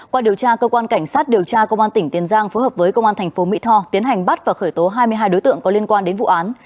qua điều tra cơ quan cảnh sát điều tra công an tỉnh tiền giang phối hợp với công an thành phố mỹ tho tiến hành bắt và khởi tố hai mươi hai đối tượng có liên quan đến vụ án